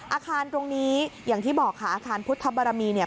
อาคารตรงนี้อย่างที่บอกค่ะอาคารพุทธบารมีเนี่ย